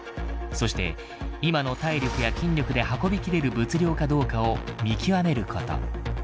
そして今の体力や筋力で運びきれる物量かどうかを見極めること。